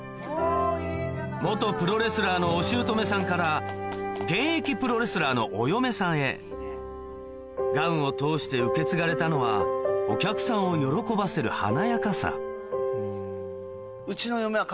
元プロレスラーのお姑さんから現役プロレスラーのお嫁さんへガウンを通して受け継がれたのはお客さんを喜ばせる華やかさいいぞなっ？